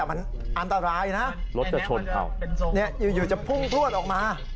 มันอันตรายนะรถจะชนเอาอยู่จะพุ่งพลวดออกมา